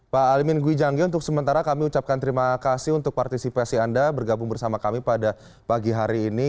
pak alimin gwijanggih untuk sementara kami ucapkan terima kasih untuk partisipasi anda bergabung bersama kami pada pagi hari ini